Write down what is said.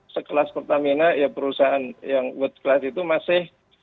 sekelas pertamina ya perusahaan yang world class itu masih